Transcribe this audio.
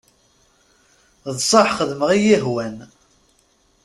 D sseḥ xedmeɣ iyi-ihwan.